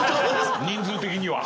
人数的には。